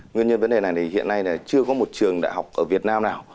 nguyên nhân vấn đề này là hiện nay chưa có một trường đại học ở việt nam nào